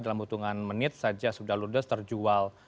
dalam butuhan menit saja sudah terjual